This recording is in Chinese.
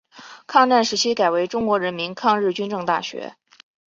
抗战时期改为中国人民抗日军政大学。